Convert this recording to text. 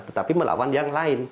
tetapi melawan yang lain